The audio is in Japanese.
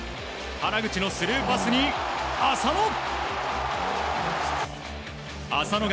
原口のスルーパスに浅野！